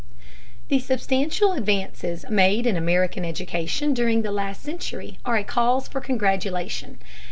The substantial advances made in American education during the last century are a cause for congratulation.